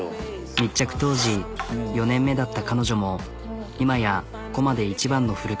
密着当時４年目だった彼女も今やＫＯＭＡで一番の古株。